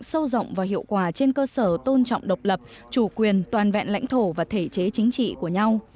sâu rộng và hiệu quả trên cơ sở tôn trọng độc lập chủ quyền toàn vẹn lãnh thổ và thể chế chính trị của nhau